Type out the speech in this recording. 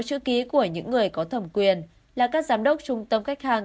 chữ ký của những người có thẩm quyền là các giám đốc trung tâm khách hàng